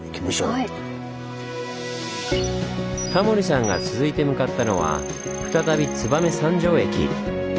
タモリさんが続いて向かったのは再び燕三条駅。